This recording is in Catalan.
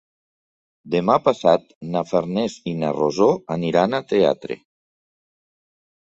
Demà passat na Farners i na Rosó aniran al teatre.